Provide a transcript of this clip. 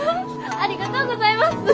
ありがとうございます！